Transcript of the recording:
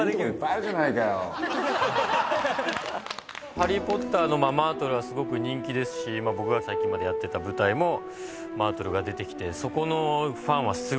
『ハリー・ポッター』のマートルはすごく人気ですし僕が最近までやってた舞台もマートルが出てきてそこのファンはすごい多いですね。